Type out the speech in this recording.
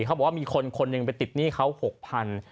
เค้าบอกว่ามีคนไปติดหนี้เค้า๖พัน